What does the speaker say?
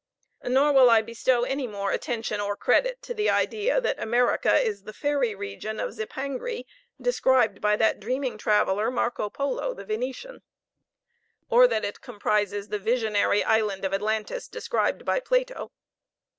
Nor will I bestow any more attention or credit to the idea that America is the fairy region of Zipangri, described by that dreaming traveler Marco Polo the Venetian; or that it comprises the visionary island of Atlantis, described by Plato.